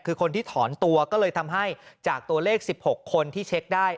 คือคนที่ถอนตัวก็เลยทำให้จากตัวเลข๑๖คนที่เช็คได้